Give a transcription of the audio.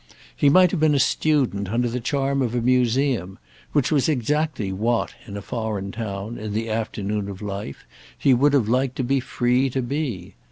He might have been a student under the charm of a museum—which was exactly what, in a foreign town, in the afternoon of life, he would have liked to be free to be.